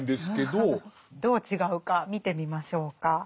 どう違うか見てみましょうか。